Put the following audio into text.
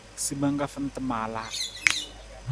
Simang ka fanta maalaa.